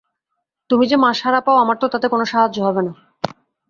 তুমি যে মাসহারা পাও আমার তো তাতে কোনো সাহায্য হবে না।